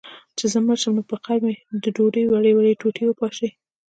چي زه مړ سم، نو پر قبر مي د ډوډۍ وړې وړې ټوټې وپاشی